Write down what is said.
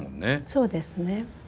そうですね。